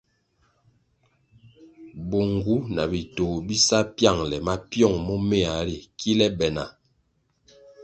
Bo ngu na bitoh bi sa pyangʼle mapyong momea ri kile be na.